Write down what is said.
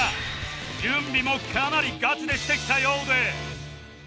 準備もかなりガチでしてきたようで